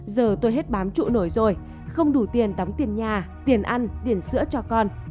giờ tôi hết bám trụ nổi rồi không đủ tiền đóng tiền nhà tiền ăn tiền sữa cho con